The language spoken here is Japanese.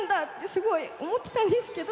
すごい思ってたんですけど。